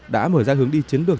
đã mở ra hướng đi chiến lược